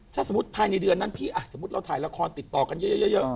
ถ้าสมมุติภายในเดือนนั้นพี่สมมุติเราถ่ายละครติดต่อกันเยอะ